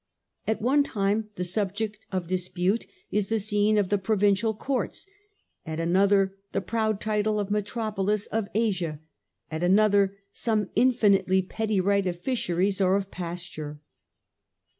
At one time the subject of dispute is the scene of the provincial courts, at another the proud title of metropolis of Asia ; at another some infinitely petty right of fisheries or of pasture.